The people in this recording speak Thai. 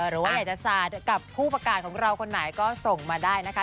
หรือว่าอยากจะสาดกับผู้ประกาศของเราคนไหนก็ส่งมาได้นะคะ